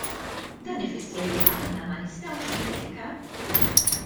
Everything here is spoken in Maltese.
Dan ifisser li aħna ma nistgħux nikkritikaw?